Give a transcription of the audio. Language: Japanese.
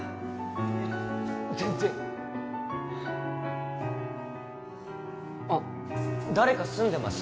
えっ全然あっ誰か住んでます？